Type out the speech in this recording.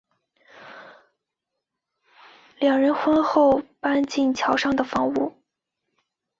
两人婚后搬进桥上的房屋。